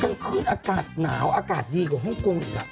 กลางคืนอากาศหนาวอากาศดีกว่าฮ่องกงอีก